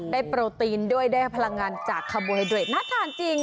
โปรตีนด้วยได้พลังงานจากคาโบไฮเดรดน่าทานจริง